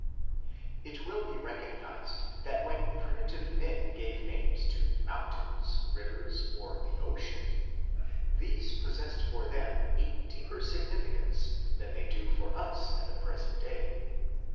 It will be recognized that when primitive men gave names to mountains, rivers, or the ocean, these possessed for them a deeper significance than they do for us at the present day.